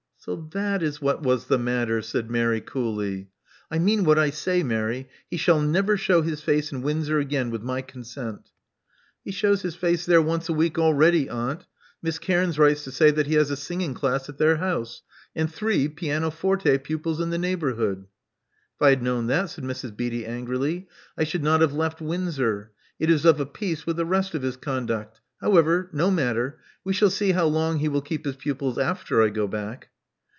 So that is what was the matter," said Mary coolly. I mean what I say, Mary. He shall never show his face in Windsor again with my consent." He shows his face there once a week already, aunt. Miss Cairns writes to say that he has a singing class at their house, and three pianoforte pupils in the neighborhood. '' *'If I had known that," said Mrs. Beatty, angrily, I should not have left Windsor. It is of a piece with the rest of his conduct. However, no matter. We shall see how long he will keep his pupils after I go back."